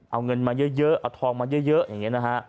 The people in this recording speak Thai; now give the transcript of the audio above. เอาเงินมาเยอะเอาทองมาเยอะอย่างนี้นะฮะ